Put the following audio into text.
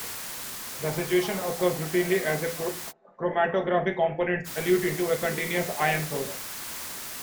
This situation occurs routinely as chromatographic components elute into a continuous ion source.